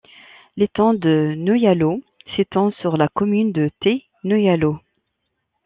L'étang de Noyalo s'étend sur la commune de Theix-Noyalo.